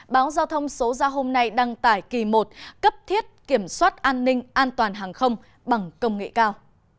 báo giao thông số ra hôm nay đăng tải kỳ một cấp thiết kiểm soát an ninh an toàn hàng không bằng công nghệ cao